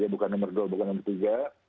bukan nomor dua bukan nomor tiga